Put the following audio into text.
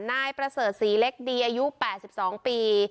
นายประเสริฐศรีเล็กดีอายุ๘๒ปี